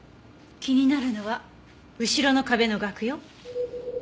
気になるのは後ろの壁の額よ。